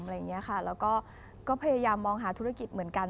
แล้วก็ก็พยายามมองหาธุรกิจเหมือนกัน